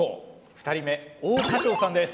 ２人目王佳祥さんです。